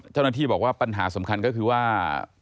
เจ้าหน้าที่บอกว่าปัญหาสำคัญก็คือว่า